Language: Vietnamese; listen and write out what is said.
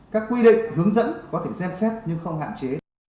các quy định hướng dẫn có thể xem xét nhưng không hạn chế